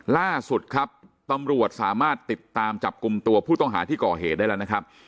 ล่าสุดครับตำรวจสามารถติดตามจับกลุ่มตัวผู้ต้องหาที่ก่อเหตุได้แล้วนะครับ